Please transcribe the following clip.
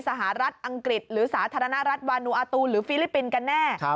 สหรัฐอังกฤษหรือสาธารณรัฐวานูอาตูนหรือฟิลิปปินส์กันแน่